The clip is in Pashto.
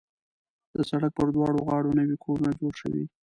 د سړک پر دواړه غاړو نوي کورونه جوړ شوي.